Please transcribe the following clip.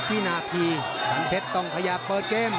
๕๐วินาทีสรรพรเทศต้องเคยบเปิดเกม